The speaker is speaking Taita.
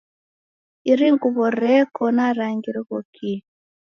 Iri nguw'o reko na rangi righokie.